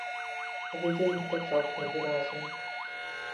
Powiedzieli to całkiem wyraźnie